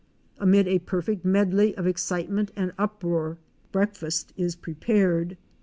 Amid a perfect medley of excitement and uproar, breakfast is prepared.